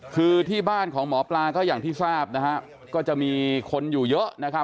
คือที่บ้านของหมอปลาก็อย่างที่ทราบนะฮะก็จะมีคนอยู่เยอะนะครับ